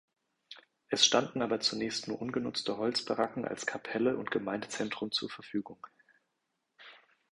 Es standen aber zunächst nur ungenutzte Holzbaracken als Kapelle und Gemeindezentrum zur Verfügung.